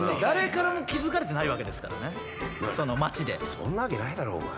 そんなわけないだろ。